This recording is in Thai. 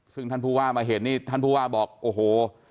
ซึ่งท่านผู้ว่ามาเห็นนี่ท่านผู้ว่าบอกโอ้โห